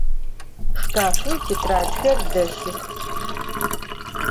Şşkafım têtradxer delhıx.